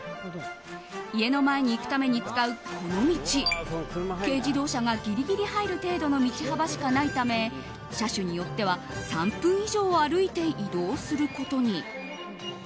家の前に行くために使う、この道軽自動車がぎりぎり入る程度の道幅しかないため車種によっては３分以上歩いて移動することに。